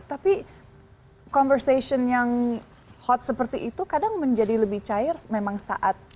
tapi conversation yang hot seperti itu kadang menjadi lebih cair memang saat